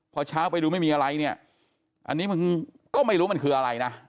พอเช้าไปดูไม่มีอะไรเนี่ยอันนี้มันก็ไม่รู้มันคืออะไรนะ